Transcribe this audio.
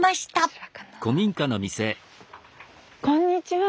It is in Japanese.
こんにちは。